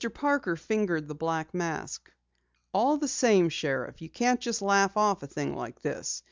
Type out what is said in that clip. Parker fingered the black mask. "All the same, Sheriff, you can't just laugh off a thing like this.